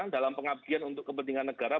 dalam pengabdian untuk kepentingan negara